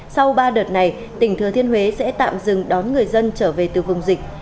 sau ba đợt này tỉnh thừa thiên huế sẽ tạm dừng đón người dân trở về từ vùng dịch